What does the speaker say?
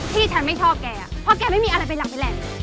ที่ฉันไม่ชอบแกเพราะแกไม่มีอะไรเป็นหลักเป็นแหล่ง